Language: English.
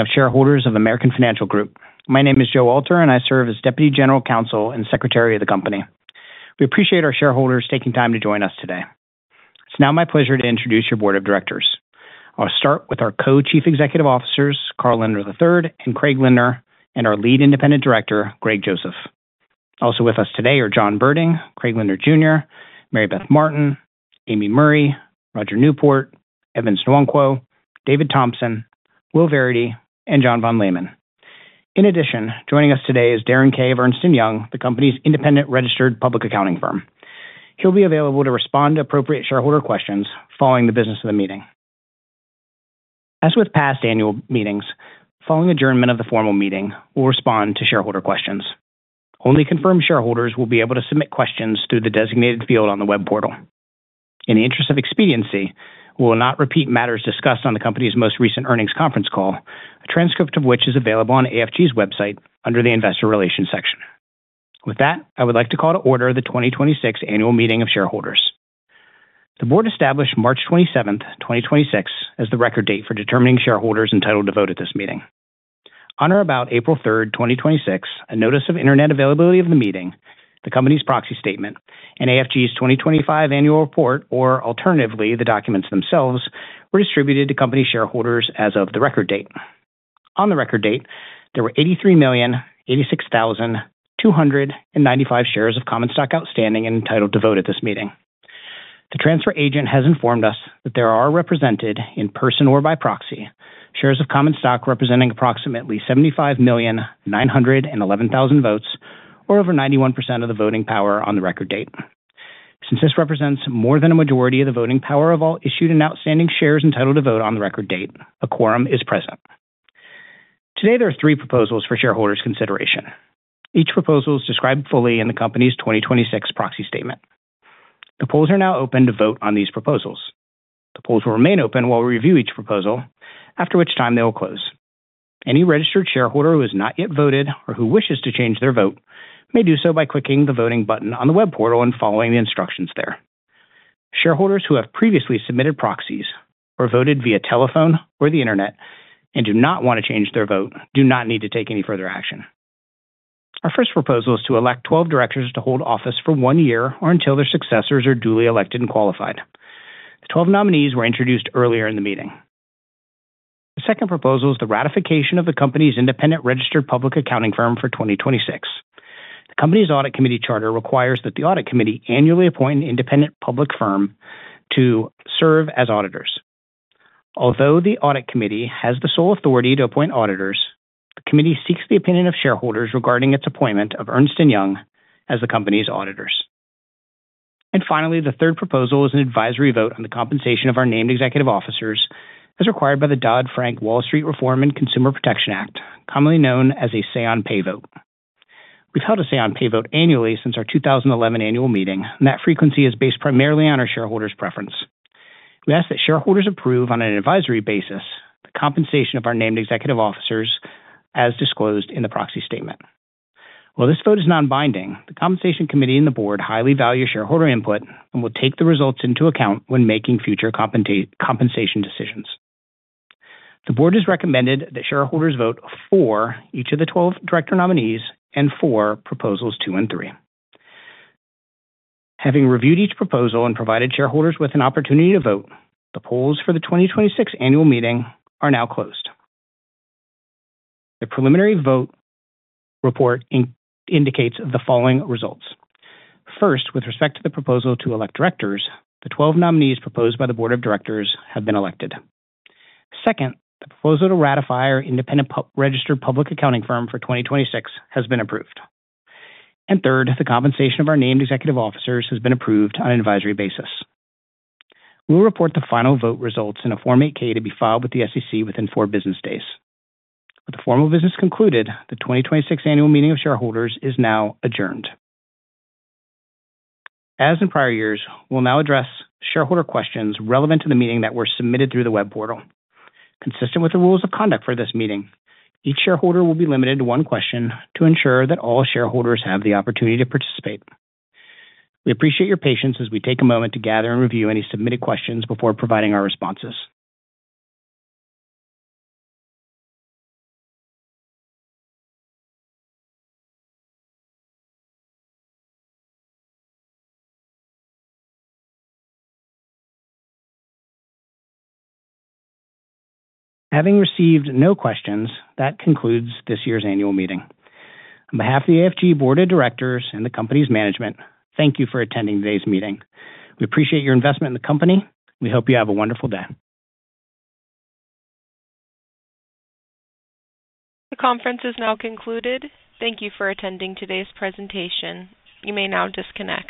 —of shareholders of American Financial Group. My name is Joe Alter, and I serve as Deputy General Counsel and Secretary of the company. We appreciate our shareholders taking time to join us today. It's now my pleasure to introduce your Board of Directors. I'll start with our Co-Chief Executive Officers, Carl Lindner III and Craig Lindner, and our Lead Independent Director, Greg Joseph. Also with us today are John Berding, Craig Lindner Jr., Mary Beth Martin, Amy Murray, Roger Newport, Evan Nwankwo, David Thompson, Will Verity, and John Von Lehman. In addition, joining us today is Darren Kay of Ernst & Young, the company's independent registered public accounting firm. He'll be available to respond to appropriate shareholder questions following the business of the meeting. As with past Annual Meetings, following adjournment of the formal meeting, we'll respond to shareholder questions. Only confirmed shareholders will be able to submit questions through the designated field on the web portal. In the interest of expediency, we will not repeat matters discussed on the company's most recent earnings conference call, a transcript of which is available on AFG's website under the investor relations section. With that, I would like to call to order the 2026 Annual Meeting of Shareholders. The Board established March 27th, 2026, as the record date for determining shareholders entitled to vote at this meeting. On or about April 3rd, 2026, a notice of Internet availability of the meeting, the company's proxy statement, and AFG's 2025 Annual Report, or alternatively, the documents themselves, were distributed to company shareholders as of the record date. On the record date, there were 83,086,295 shares of common stock outstanding entitled to vote at this meeting. The transfer agent has informed us that there are represented, in-person or by proxy, shares of common stock representing approximately 75,911,000 votes, or over 91% of the voting power on the record date. Since this represents more than a majority of the voting power of all issued and outstanding shares entitled to vote on the record date, a quorum is present. Today, there are three proposals for shareholders' consideration. Each proposal is described fully in the company's 2026 Proxy Statement. The polls are now open to vote on these proposals. The polls will remain open while we review each proposal, after which time they will close. Any registered shareholder who has not yet voted or who wishes to change their vote may do so by clicking the voting button on the web portal and following the instructions there. Shareholders who have previously submitted proxies or voted via telephone or the Internet and do not want to change their vote do not need to take any further action. Our first proposal is to elect 12 Directors to hold office for one year or until their successors are duly elected and qualified. The 12 nominees were introduced earlier in the meeting. The second proposal is the ratification of the company's independent registered public accounting firm for 2026. The company's Audit Committee charter requires that the audit committee annually appoint an independent public firm to serve as auditors. Although the Audit Committee has the sole authority to appoint auditors, the Committee seeks the opinion of shareholders regarding its appointment of Ernst & Young as the company's auditors. Finally, the third proposal is an advisory vote on the compensation of our named Executive Officers as required by the Dodd-Frank Wall Street Reform and Consumer Protection Act, commonly known as a say-on-pay vote. We've held a say-on-pay vote annually since our 2011 Annual Meeting, and that frequency is based primarily on our shareholders' preference. We ask that shareholders approve on an advisory basis the compensation of our named Executive Officers as disclosed in the proxy statement. While this vote is non-binding, the Compensation Committee and the Board highly value shareholder input and will take the results into account when making future compensation decisions. The Board has recommended that shareholders vote for each of the 12 Director Nominees and for Proposals 2 and 3. Having reviewed each proposal and provided shareholders with an opportunity to vote, the polls for the 2026 Annual Meeting are now closed. The preliminary vote report indicates the following results. First, with respect to the proposal to elect Directors, the 12 nominees proposed by the Board of Directors have been elected. Second, the proposal to ratify our independent registered public accounting firm for 2026 has been approved. Third, the compensation of our named Executive Officers has been approved on an advisory basis. We will report the final vote results in a Form 8-K to be filed with the SEC within four business days. With the formal business concluded, the 2026 Annual Meeting of Shareholders is now adjourned. As in prior years, we'll now address shareholder questions relevant to the meeting that were submitted through the web portal. Consistent with the rules of conduct for this meeting, each shareholder will be limited to one question to ensure that all shareholders have the opportunity to participate. We appreciate your patience as we take a moment to gather and review any submitted questions before providing our responses. Having received no questions, that concludes this year's Annual Meeting. On behalf of the AFG Board of Directors and the company's management, thank you for attending today's meeting. We appreciate your investment in the company. We hope you have a wonderful day. The conference is now concluded. Thank you for attending today's presentation. You may now disconnect.